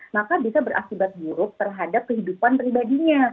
maka bisa berakibat buruk terhadap kehidupan pribadinya